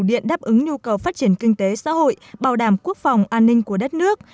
điện đáp ứng nhu cầu phát triển kinh tế xã hội bảo đảm quốc phòng an ninh của đất nước